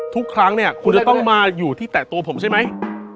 ทุกครั้งเนี่ยคุณจะต้องมาอยู่ที่แตะตัวผมใช่ไหม